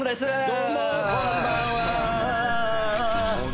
どうもこんばんは。